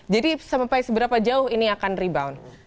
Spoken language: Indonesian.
jadi sampai seberapa jauh ini akan rebound